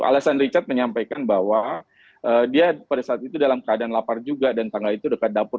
alasan richard menyampaikan bahwa dia pada saat itu dalam keadaan lapar juga dan tangga itu dekat dapur